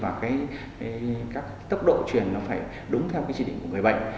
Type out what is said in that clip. và cái tốc độ truyền nó phải đúng theo cái chỉ định của người bệnh